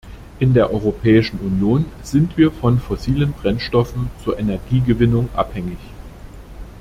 In der Europäischen Union sind wir von fossilen Brennstoffen zur Energiegewinnung abhängig.